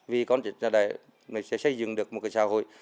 vì con sẽ xây dựng được một cái xã hội